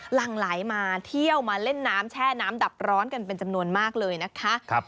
หลังไหลมาเที่ยวมาเล่นน้ำแช่น้ำดับร้อนกันเป็นจำนวนมากเลยนะคะ